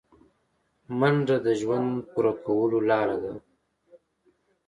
منډه د ژوند پوره کولو لاره ده